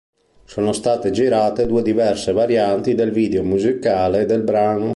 Sono state girate due diverse varianti del video musicale del brano.